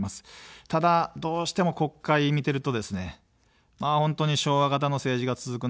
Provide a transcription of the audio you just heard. ただ、どうしても国会見てるとですね、本当に昭和型の政治が続くなと。